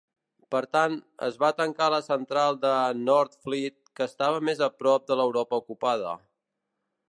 Per tant, es va tancar la central de Northfleet que estava més a prop de l'Europa ocupada.